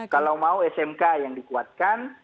kalau mau smk yang dikuatkan